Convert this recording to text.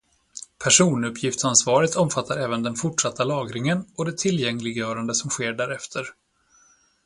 Personuppgiftsansvaret omfattar även den fortsatta lagringen och det tillgängliggörande som sker därefter.